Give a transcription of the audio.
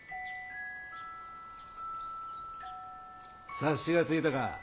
察しがついたか？